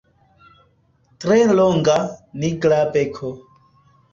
Tre longa, nigra beko.